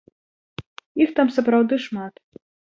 Іх там сапраўды шмат.